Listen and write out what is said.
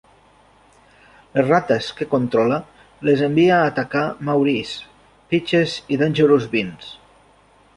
Les rates que controla les envia a atacar Maurice, Peaches i Dangerous Beans.